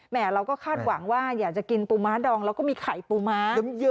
เราก็คาดหวังว่าอยากจะกินปูม้าดองแล้วก็มีไข่ปูม้าเยอะ